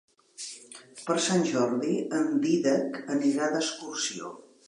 Per Sant Jordi en Dídac anirà d'excursió.